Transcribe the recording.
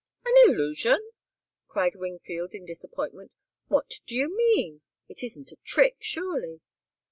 "An illusion!" cried Wingfield, in disappointment. "What do you mean? It isn't a trick, surely!"